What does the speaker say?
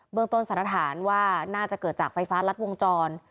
เมืองต้นสารฐานว่าน่าจะเกิดจากไฟฟ้ารัดวงจร